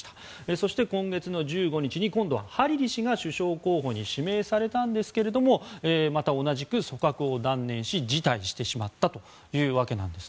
そして今月の１５日にハリリ氏が首相候補に指名されたんですけれどもまた同じく組閣を断念し辞退してしまったわけです。